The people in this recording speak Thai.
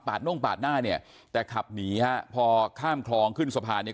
น่งปาดหน้าเนี่ยแต่ขับหนีฮะพอข้ามคลองขึ้นสะพานเนี่ย